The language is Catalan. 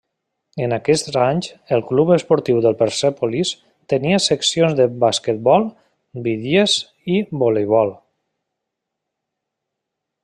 En aquests anys el Club Esportiu de Persèpolis tenia seccions de basquetbol, bitlles i voleibol.